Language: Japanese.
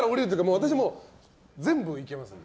私もう全部いけますんで。